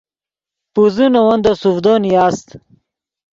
پوزے نے ون دے سوڤدو نیاست